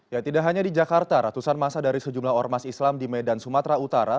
ya tidak hanya di jakarta ratusan masa dari sejumlah ormas islam di medan sumatera utara